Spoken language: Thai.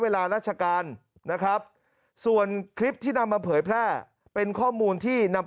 ราชการนะครับส่วนคลิปที่นำมาเผยแพร่เป็นข้อมูลที่นำ